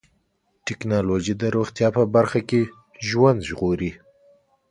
ټکنالوجي د روغتیا په برخه کې ژوند ژغوري.